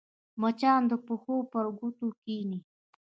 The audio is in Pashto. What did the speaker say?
مچان د پښو پر ګوتو کښېني